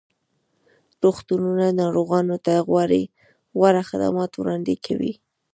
روغتونونه ناروغانو ته غوره خدمات وړاندې کوي.